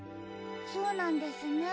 そうなんですね。